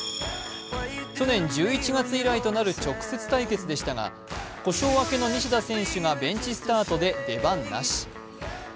去年１１月以来となる直接対決でしたが、故障明けの西田選手がベンチスタートで出番なし。